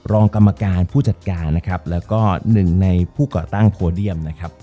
รองกรรมการผู้จัดการนะครับแล้วก็หนึ่งในผู้ก่อตั้งโพเดียมนะครับ